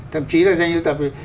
thậm chí là danh siêu tập